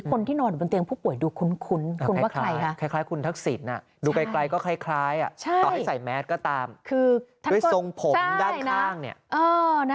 คนที่นอนบนเตียงผู้ป่วยดูคุ้น